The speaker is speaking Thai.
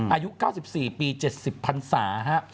อายุ๙๔ปี๗๐พันศาฮะ